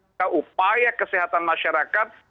kita upaya kesehatan masyarakat